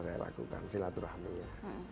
saya lakukan silaturahminya